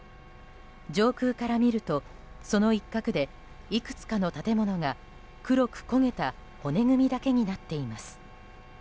上空から見ると、その一角でいくつかの建物が黒く焦げた骨組みだけになっています。